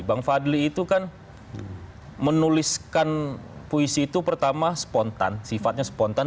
bang fadli itu kan menuliskan puisi itu pertama spontan sifatnya spontan